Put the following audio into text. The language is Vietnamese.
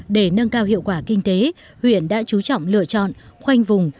để nâng cao hiệu quả kinh tế huyện đã chú trọng lựa chọn khoanh vùng